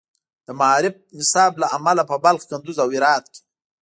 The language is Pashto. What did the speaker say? د معارف نصاب له امله په بلخ، کندز، او هرات کې